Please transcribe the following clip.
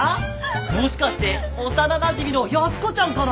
もしかして幼なじみの安子ちゃんかな！？